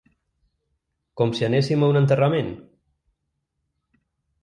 Com si anéssim a un enterrament?